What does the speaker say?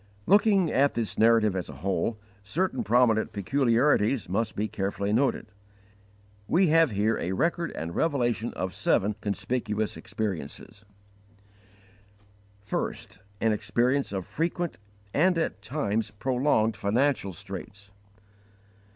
Looking at this narrative as a whole, certain prominent peculiarities must be carefully noted. We have here a record and revelation of seven conspicuous experiences: 1. An experience of frequent and at times prolonged _financial straits.